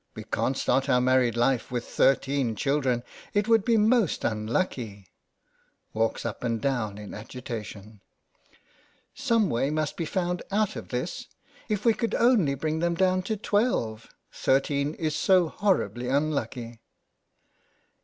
We can't start our married life with thirteen children ; it would be most unlucky. (Walks up and down in agitation.) Some way must be found out of this. If we could only bring them down to twelve. Thirteen is so hor ribly unlucky.